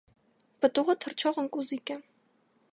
Պտուղը թռչող ընկուզիկ է։